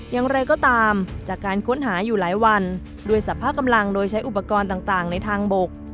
อย่างไรก็ตามจากการค้นหาอยู่หลายวันด้วยสรรพากำลังโดยใช้อุปกรณ์ต่างในทางบก